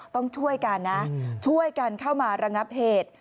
ต้องช่วยกันนะช่วยกันเข้ามาระงับเหตุ